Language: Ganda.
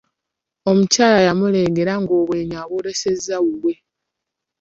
Omukyala yamulengera ng'obwenyi abw'olesezza wuwe.